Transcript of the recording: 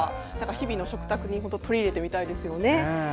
日々の食卓に取り入れてみたいですよね。